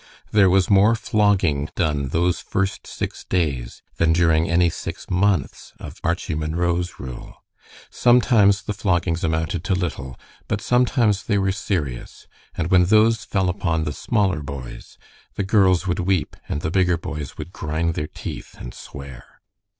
There was more flogging done those first six days than during any six months of Archie Munro's rule. Sometimes the floggings amounted to little, but sometimes they were serious, and when those fell upon the smaller boys, the girls would weep and the bigger boys would grind their teeth and swear.